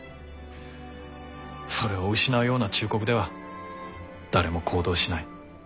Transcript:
それを失うような忠告では誰も行動しない。